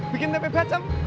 bikin tempe bacem